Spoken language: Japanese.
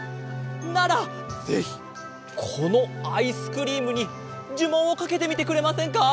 ならぜひこのアイスクリームにじゅもんをかけてみてくれませんか？